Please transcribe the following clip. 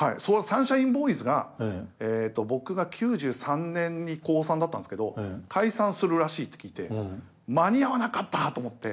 「サンシャインボーイズ」がえと僕が９３年に高３だったんですけど解散するらしいって聞いて間に合わなかったと思って。